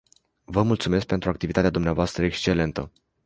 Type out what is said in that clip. Vă mulțumesc pentru activitatea dvs. excelentă.